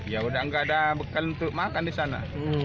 ya udah nggak ada bekal untuk makan di sana